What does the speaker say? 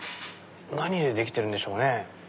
何でできてるんでしょうね？